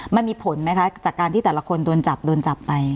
มันมีผลไหมคะจากการที่แต่ละคนโดนจับโดนจับไป